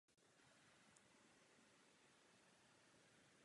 Rai Cinema je sesterskou značkou Rai Fiction.